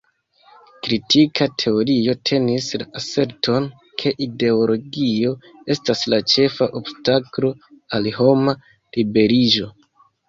Kritika teorio tenis la aserton, ke ideologio estas la ĉefa obstaklo al homa liberiĝo.